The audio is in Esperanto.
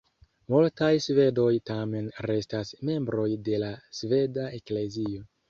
Multaj svedoj tamen restas membroj de la sveda Eklezio.